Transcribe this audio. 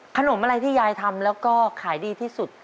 อะไรที่ยายทำแล้วก็ขายดีที่สุด